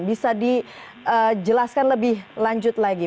bisa dijelaskan lebih lanjut lagi